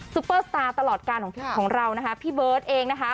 เปอร์สตาร์ตลอดการของเรานะคะพี่เบิร์ตเองนะคะ